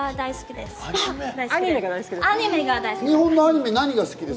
アニメが大好きです！